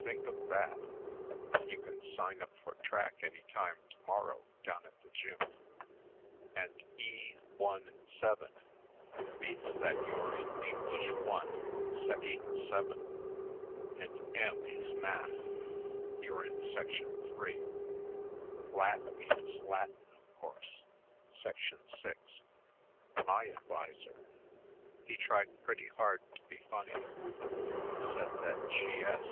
Think of that! You can sign up for track any time to morrow down at the gym. And E I, 7 means that you're in English I, Section 7; and M is math. You re in Section 3. Lat means Latin, of course Section 6. My adviser he tried pretty hard to be funny said that G.S.